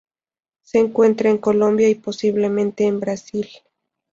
Se encuentra en Colombia y posiblemente en Brasil.